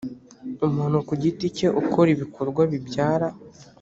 umuntu ku giti cye ukora ibikorwa bibyara